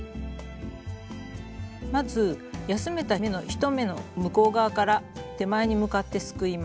まず休めた目の１目の向こう側から手前に向かってすくいます。